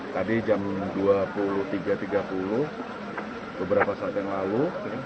tadi jam dua puluh tiga tiga puluh beberapa saat yang lalu